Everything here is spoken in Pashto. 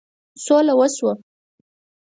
سوله وشوه.